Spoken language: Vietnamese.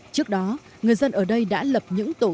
trước đó người dân ở đây đã lập những tổ